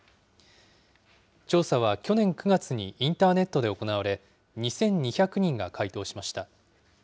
調査は去年９月にインターネットで行われ、２２００人が回答しました。